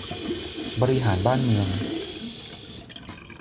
บริหารบ้านเมือง